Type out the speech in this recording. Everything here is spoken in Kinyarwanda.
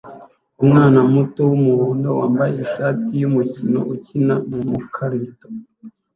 Umwana muto wumuhondo wambaye ishati yumukino ukina mukarito